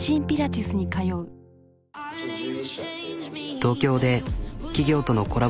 東京で企業とのコラボ